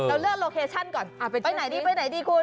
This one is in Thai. เราเลือกโลเคชั่นก่อนไปไหนดีไปไหนดีคุณ